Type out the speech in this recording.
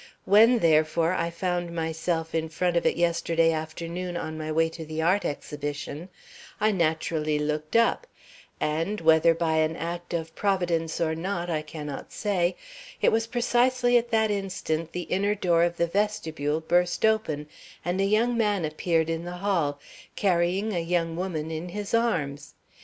When, therefore, I found myself in front of it yesterday afternoon on my way to the art exhibition, I naturally looked up, and whether by an act of providence or not, I cannot say it was precisely at that instant the inner door of the vestibule burst open, and a young man appeared in the hall, carrying a young woman in his arms.